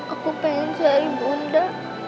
aku pengen cari bunda